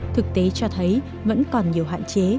thực tế cho thấy vẫn còn nhiều hạn chế